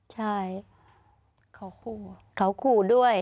ใช่เขาคู่ด้วย